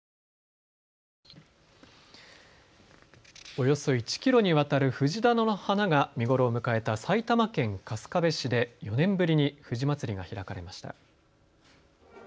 およそ１キロにわたる藤棚の花が見頃を迎えた埼玉県春日部市で４年ぶりに藤まつりが開かれました。